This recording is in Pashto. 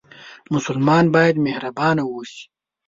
مسلمان باید مهربانه اوسي